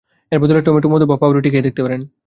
এর বদলে টমেটো, মধু বা পাউরুটি খেয়ে দেখতে পারেন।